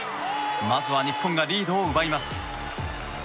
まずは日本がリードを奪います。